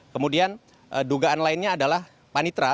kemudian dugaan lainnya adalah panitra